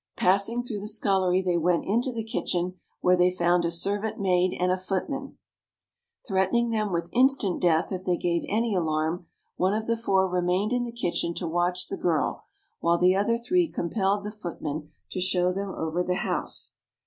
Passing through the scullery they went into the kitchen, where they found a servant maid and a footman. Threatening them with instant death if they gave any alarm, one of the four remained in the kitchen to watch the girl, while the other three compelled the footman to show them over the house.